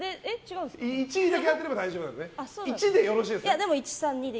１位だけ当てれば大丈夫です。